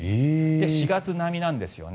４月並みなんですよね。